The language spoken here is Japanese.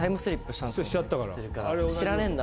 知らねえんだ。